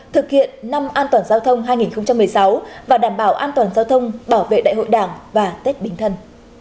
thực hiện năm an toàn giao thông hai nghìn một mươi sáu và đảm bảo an toàn giao thông bảo vệ đại hội đảng và tết bình thân